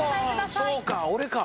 そうか俺か。